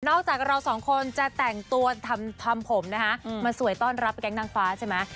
จากเราสองคนจะแต่งตัวทำผมนะคะมาสวยต้อนรับแก๊งนางฟ้าใช่ไหม